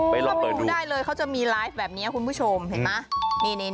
ไปลองเปิดดูก็ปรู้ได้เลยเขาจะมีไลฟ์แบบนี้คุณผู้ชมเห็นไหม